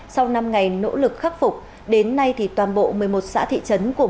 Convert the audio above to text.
sau năm ngày nỗ lực khắc phục đến nay thì toàn bộ một mươi một xã thị trấn của mù cang trải đã bị khắc phục